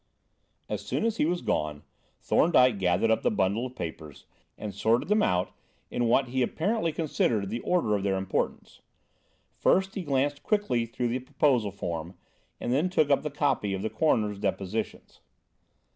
As soon as he was gone, Thorndyke gathered up the bundle of papers and sorted them out in what be apparently considered the order of their importance. First he glanced quickly through the proposal form, and then took up the copy of the coroner's depositions.